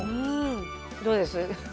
どうです？